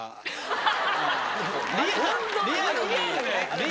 リアルに。